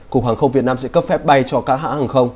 cục hàng không việt nam sẽ cấp phép bay cho các hãng hàng không